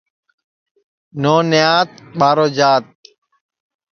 نو نیات ٻارو جات